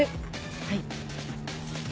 はい。